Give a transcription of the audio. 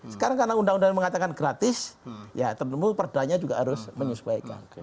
sekarang karena undang undang mengatakan gratis ya terlalu perdana juga harus disesuaikan